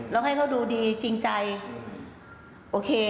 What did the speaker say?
แล้วให้เขาดูดีจริงใจโอเค